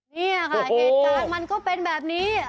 นี่ค่ะเหตุการณ์มันก็เป็นแบบนี้